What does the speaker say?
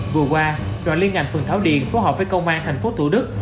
vừa qua đoạn liên ngành phường tháo điện phối hợp với công an thành phố thủ đức